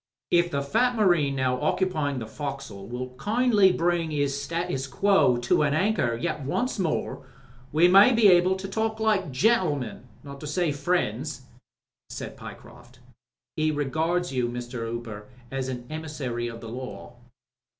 "If the fat marine now occupying the foc'sle will kindly bring 'is status que to an anchor yet once more, we may be able to talk like gentlemen — ^not to say friends/' said Pyecroft. "He regards you, Mr. Hooper, as a emissary of the Law."